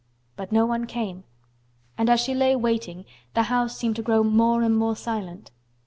But no one came, and as she lay waiting the house seemed to grow more and more silent.